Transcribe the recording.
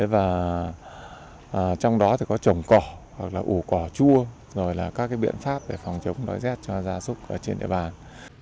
và trong đó thì có trồng cỏ hoặc là ủ cỏ chua rồi là các cái biện pháp để phòng chống đói z cho gia súc ở trên địa bàn